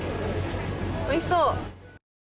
おいしそう。